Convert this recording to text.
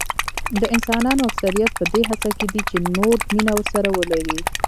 د انسانانو اکثریت په دې هڅه کې دي چې نور مینه ورسره ولري.